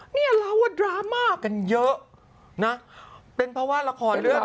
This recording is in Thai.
เนี่ยเราว่าดราม่ากันเยอะนะเป็นเพราะว่าละครเรื่อง